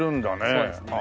そうですね。